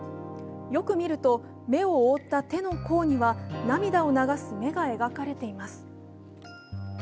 よく見ると、目を覆った手の甲には涙を流す目が描かれています。